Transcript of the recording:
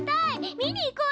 見に行こうよ！